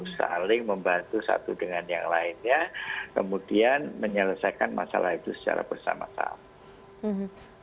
saling membantu satu dengan yang lainnya kemudian menyelesaikan masalah itu secara bersama sama